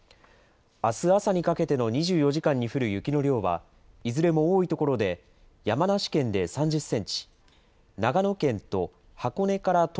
あす朝にかけての２４時間に降る雪の量は、いずれも多い所で山梨県で３０センチ、長野県と箱根から